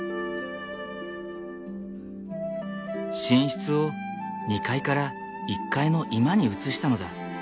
寝室を２階から１階の居間に移したのだ。